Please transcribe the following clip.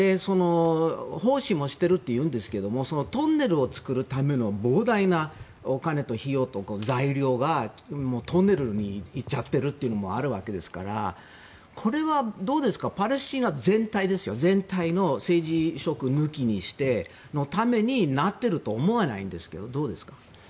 奉仕もしているというんですがトンネルを作るための膨大なお金とか材料がトンネルにいっちゃってるのもあるわけですからこれはパレスチナ全体の政治色抜きにしてもパレスチナのためになっていると思わないんですけどどうですか？